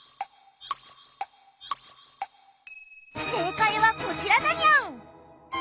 正解はこちらだにゃん！